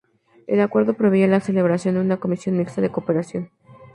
El acuerdo preveía la celebración de una Comisión Mixta de Cooperación.